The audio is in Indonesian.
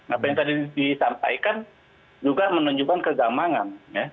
apa yang tadi disampaikan juga menunjukkan kegamangan